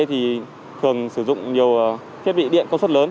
thì thường sử dụng nhiều thiết bị điện công suất lớn